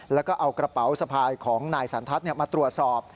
แล้วก็เอากระเป๋าสะพายของนายสันทัศน์มาตรวจสอบ